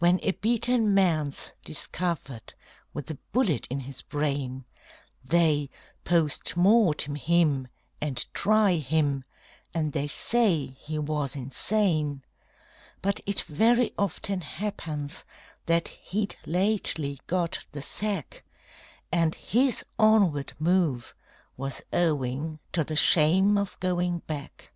When a beaten man's discovered with a bullet in his brain, They POST MORTEM him, and try him, and they say he was insane; But it very often happens that he'd lately got the sack, And his onward move was owing to the shame of going back.